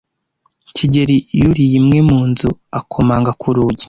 kigeli yuriye imwe mu nzu akomanga ku rugi.